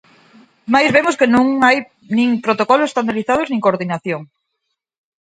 Mais vemos que non hai nin protocolos estandarizados nin coordinación.